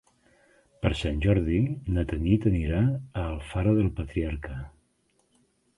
Per Sant Jordi na Tanit anirà a Alfara del Patriarca.